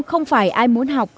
không phải ai muốn học